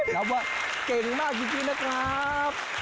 รับว่าเก่งมากจริงนะครับ